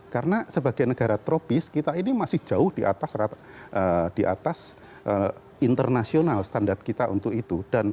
karena sebagai negara tropis kita ini masih jauh di atas internasional standar kita untuk itu